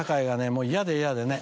もう嫌で嫌でね。